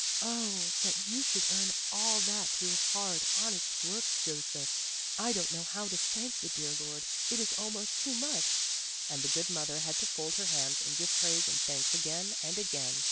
"Oh, that you should earn all that through hard, honest work, Joseph! I don't know how to thank the dear Lord; it is almost too much!" And the good mother had to fold her hands and give praise and thanks again and again.